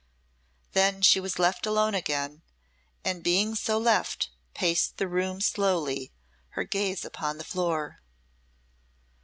Then she was left alone again, and being so left, paced the room slowly, her gaze upon the floor.